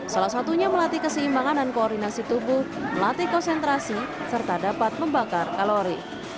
salah satunya melatih keseimbangan dan koordinasi tubuh melatih konsentrasi serta dapat membakar kalori